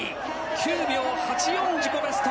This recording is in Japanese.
９秒８４、自己ベスト。